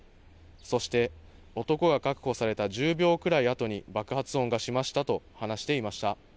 そして男が確保された１０秒くらいあとに爆発音がしましたと話していました。